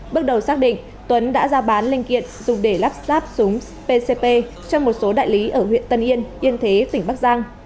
bước đầu xác định tuấn đã ra bán linh kiện dùng để lắp ráp súng pcp cho một số đại lý ở huyện tân yên yên thế tỉnh bắc giang